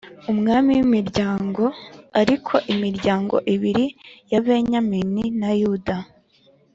Umwami w imiryango ariko imiryango ibiri ya benyamini na yuda